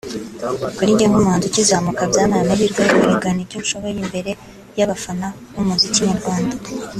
kuri njye nk’umuhanzi ukizamuka byampaye amahirwe yo kwerekana icyo nshoboye imbere y’abafana b’umuziki nyarwanda